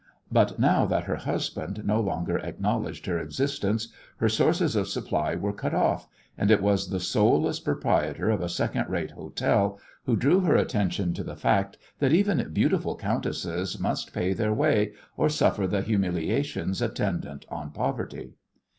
But now that her husband no longer acknowledged her existence her sources of supply were cut off, and it was the soulless proprietor of a second rate hotel who drew her attention to the fact that even beautiful countesses must pay their way or suffer the humiliations attendant on poverty.